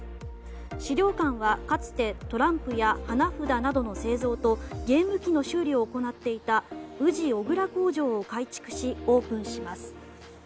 資料館は、かつてトランプや花札などの製造とゲーム機の修理などを行っていた宇治小倉工場を改築しオープンします。